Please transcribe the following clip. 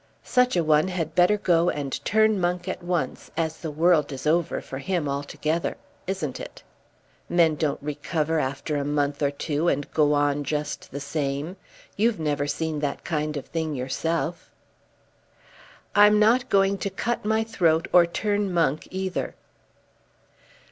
Such a one had better go and turn monk at once, as the world is over for him altogether; isn't it? Men don't recover after a month or two, and go on just the same. You've never seen that kind of thing yourself?" "I'm not going to cut my throat or turn monk either."